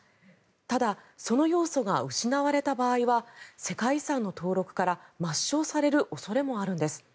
ただ、その要素が失われた場合は世界遺産の登録から抹消される恐れもあるんです。